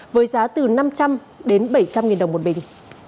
với giá từ năm trăm linh đến bảy trăm linh nghìn đồng một bình